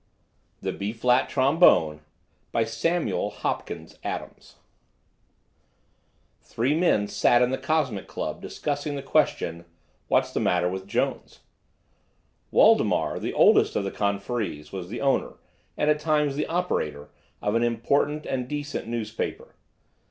THE MILLION DOLLAR DOG CHAPTER I. THE B FLAT TROMBONE Three men sat in the Cosmic Club discussing the question: "What's the matter with Jones?" Waldemar, the oldest of the conferees, was the owner, and at times the operator, of an important and decent newspaper.